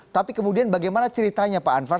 tapi kemudian bagaimana ceritanya pak anwar